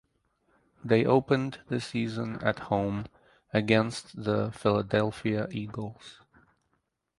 They opened the season at home against the Philadelphia Eagles.